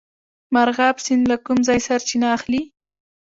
مرغاب سیند له کوم ځای سرچینه اخلي؟